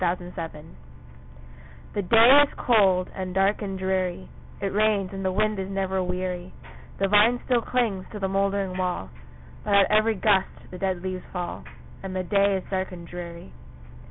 THE RAINY DAY The day is cold, and dark, and dreary It rains, and the wind is never weary; The vine still clings to the mouldering wall, But at every gust the dead leaves fall, And the day is dark and dreary.